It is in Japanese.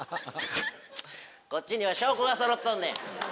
こっちには証拠がそろっとんねん。